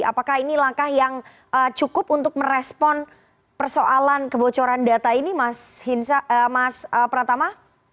apakah ini langkah yang cukup untuk merespon persoalan kebocoran data ini mas pratama